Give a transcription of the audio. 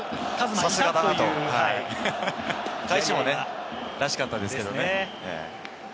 返しも、らしかったですけれどもね。